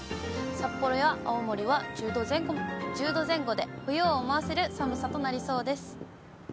札幌や青森は１０度前後で、冬を思わせる寒さとなりそうです。